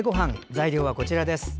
材料はこちらです。